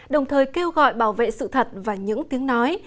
đồng thời kêu gọi bảo vệ sự thật và những tiếng nói